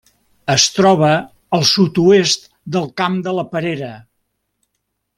Es troba al sud-oest del Camp de la Perera.